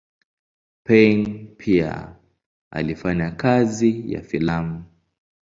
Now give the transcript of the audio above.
Payn pia alifanya kazi ya filamu.